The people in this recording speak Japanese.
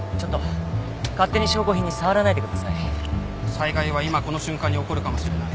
災害は今この瞬間に起こるかもしれない。